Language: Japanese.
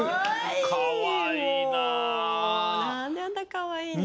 かわいいな。